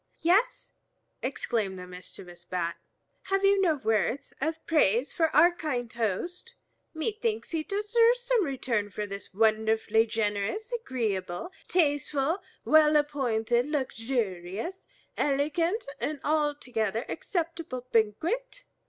"Yes," exclaimed the mischievous Bat, "have you no words of praise for our kind host? Methinks he deserves some return for this wonderfully generous, agreeable, tasteful, well appointed, luxurious, elegant, and altogether acceptable banquet.